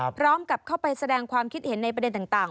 พร้อมกับเข้าไปแสดงความคิดเห็นในประเด็นต่าง